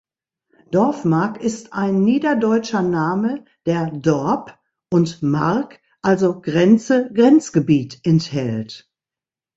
Dorfmark ist ein niederdeutscher Name, der „dorp“ und „Mark“, also „Grenze, Grenzgebiet“ enthält.